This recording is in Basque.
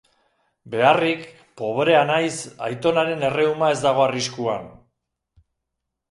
Beharrik, pobrea naiz, aitonaren erreuma ez dago arriskuan.